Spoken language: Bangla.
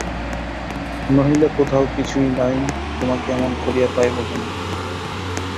নহিলে কোথাও কিছু নাই তোমাকে এমন করিয়া পাইব কেন?